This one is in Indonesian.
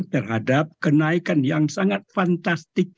terhadap kenaikan yang sangat fantastik